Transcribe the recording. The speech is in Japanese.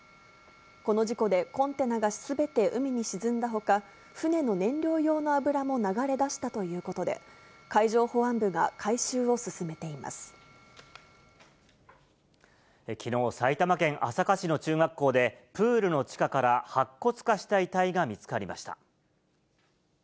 この事故で、コンテナがすべて海に沈んだほか、船の燃料用の油も流れ出したということで、きのう、埼玉県朝霞市の中学校で、プールの地下から白骨化した遺体が見つかりました。